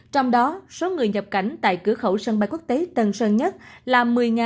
trong đó số người nhập cảnh tại cửa khẩu sân bay quốc tế tân sơn nhất là một mươi sáu trăm một mươi bốn chín mươi bốn sáu